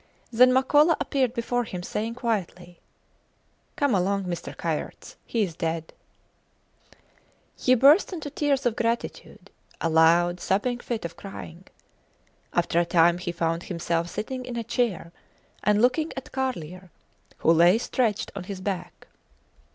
Then Makola appeared before him, saying quietly: Come along, Mr. Kayerts. He is dead. He burst into tears of gratitude; a loud, sobbing fit of crying. After a time he found himself sitting in a chair and looking at Carlier, who lay stretched on his back.